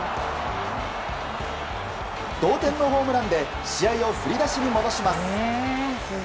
同点のホームランで試合を振り出しに戻します。